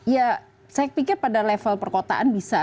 ya saya pikir pada level perkotaan bisa